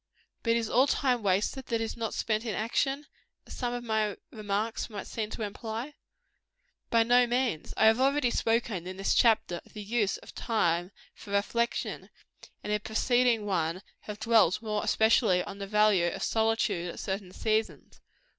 But is all time wasted that is not spent in action, as some of my remarks might seem to imply? By no means. I have already spoken, in this chapter, of the use of time for reflection; and in a preceding one, have dwelt more especially on the value of solitude at certain seasons.